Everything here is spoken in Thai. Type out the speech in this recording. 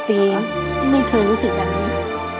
ปีไม่เคยรู้สึกแบบนี้